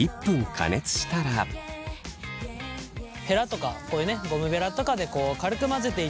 ヘラとかこういうねゴムベラとかで軽く混ぜていただいたら。